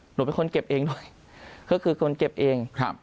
หนูเป็นคนเก็บเองด้วยก็คือคนเก็บเองครับ